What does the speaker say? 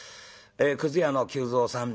くず屋の久蔵さん